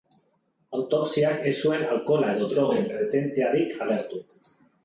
Autopsiak ez zuen alkohola edo drogen presentziarik agertu.